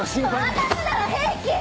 私なら平気！